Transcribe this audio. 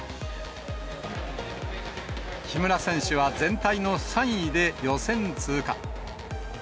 木村選手は全体の３位で予選通過。